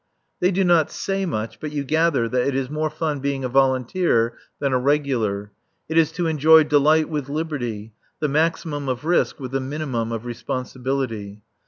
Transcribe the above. They do not say much, but you gather that it is more fun being a volunteer than a regular; it is to enjoy delight with liberty, the maximum of risk with the minimum of responsibility.